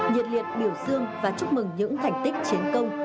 nhiệt liệt biểu dương và chúc mừng những thành tích chiến công